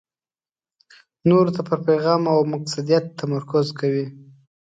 نورو ته پر پېغام او مقصدیت تمرکز کوي.